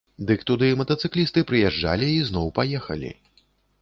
Дык туды матацыклісты прыязджалі і зноў паехалі.